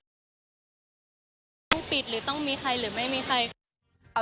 ต้องปิดหรือต้องมีใครหรือไม่มีใคร